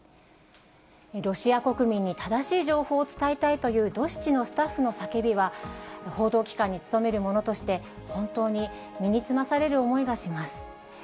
ロシア国民に正しい情報を伝えたいというドシチのスタッフの叫びは、報道機関に勤める者として、本当に身につまされる思いがします。